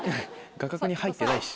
画角に入ってないし。